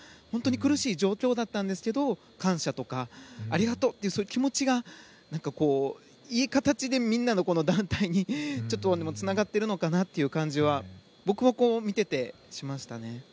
本当に苦しい状況だったんですけど感謝とか、ありがとうってそういう気持ちがいい形でみんなの団体につながっているのかなというのを僕は見てて、しましたね。